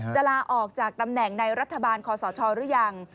ลาออกจากตำแหน่งในรัฐบาลคอสชหรือยัง